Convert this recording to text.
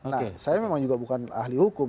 nah saya memang juga bukan ahli hukum